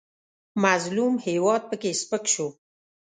مظلوم هېواد پکې سپک شو.